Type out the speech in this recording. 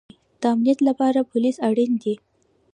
د امنیت لپاره پولیس اړین دی